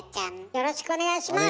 よろしくお願いします！